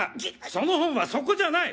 その本はそこじゃない！